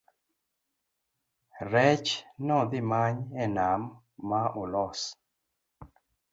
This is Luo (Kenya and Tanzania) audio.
rech nodhimany e nam ma olos